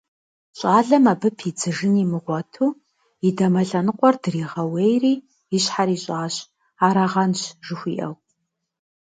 Щалэм абы пидзыжын имыгъуэту и дамэ лъэныкъуэр дригъэуейри, и щхьэр ищӀащ, «арагъэнщ» жыхуиӀэу.